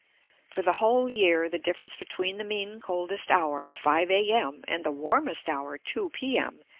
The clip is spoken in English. For the whole year, the difference between the mean coldest hour, 5 A.M., and the warmest hour, 2 P.M.